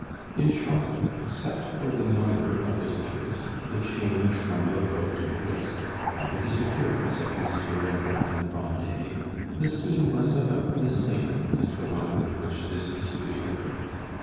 In short, except for the number of visitors, the change from loto to whist, and the disappearance of Monsieur and Madame Grandet, the scene was about the same as the one with which this history opened.